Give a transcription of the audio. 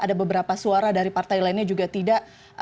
ada beberapa suara dari partai lainnya juga tidak